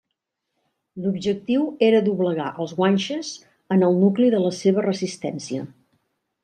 L'objectiu era doblegar als guanxes en el nucli de la seva resistència.